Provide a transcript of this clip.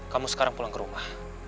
kamu sekarang pulang ke rumah